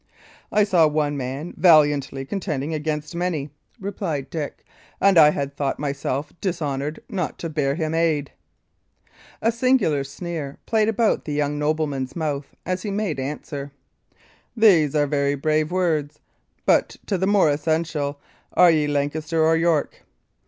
"I saw one man valiantly contending against many," replied Dick, "and I had thought myself dishonoured not to bear him aid." A singular sneer played about the young nobleman's mouth as he made answer: "These are very brave words. But to the more essential are ye Lancaster or York?"